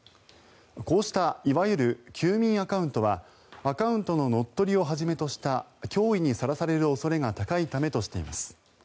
こうしたいわゆる休眠アカウントはアカウントの乗っ取りをはじめとした脅威にさらされる恐れが高いためとしています。